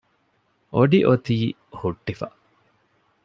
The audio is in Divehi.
އޮޑި އޮތީ ހުއްޓިފަ